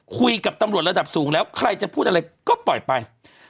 คุยกับตำรวจระดับสูงแล้วใครจะพูดอะไรก็ปล่อยไป